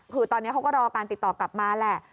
คือตอนนี้เขาก็รอการติดต่อกลับมาแหละ